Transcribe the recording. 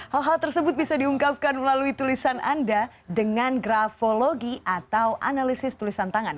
hal hal tersebut bisa diungkapkan melalui tulisan anda dengan grafologi atau analisis tulisan tangan